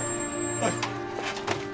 はい。